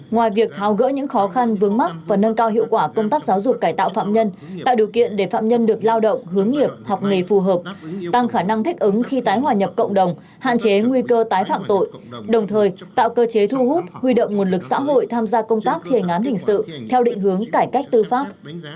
ngoài việc tháo gỡ những khó khăn vướng mắt và nâng cao hiệu quả công tác giáo dục cải tạo phạm nhân tạo điều kiện để phạm nhân được lao động hướng nghiệp học nghề phù hợp tăng khả năng thích ứng khi tái hòa nhập cộng đồng hạn chế nguy cơ tái phạm tội đồng thời tạo cơ chế thu hút huy động nguồn lực xã hội tham gia công tác thiền án hình sự theo định hướng cải cách tư pháp